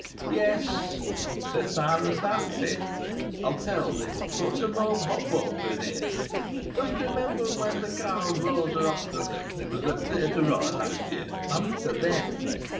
"Yes," said Silas. "That's it. I'll tell thee. Pour some more hot water in here. Dost remember when th' Carl Rosa Opera Company was at Theatre Royal last year? I met her then.